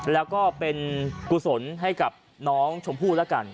แล้วก็เป็นกุศลให้กับน้องชมพู่แล้วกัน